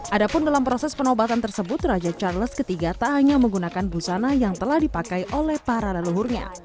adapun dalam proses penobatan tersebut raja charles iii tak hanya menggunakan busana yang telah dipakai oleh para leluhurnya